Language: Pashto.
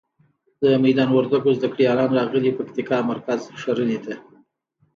د میدان وردګو زده ګړالیان راغلي پکتیکا مرکز ښرنی ته.